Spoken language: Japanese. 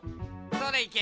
それいけ！